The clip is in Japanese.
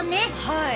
はい。